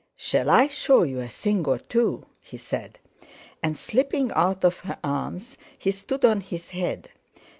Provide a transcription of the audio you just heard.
"Shall I show you a thing or two?" he said; and slipping out of her arms, he stood on his head.